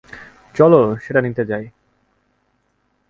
চলো সেটা নিতে যাই।